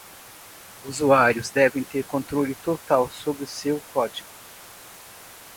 Usuários devem ter controle total sobre seu código.